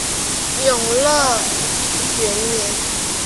永乐元年。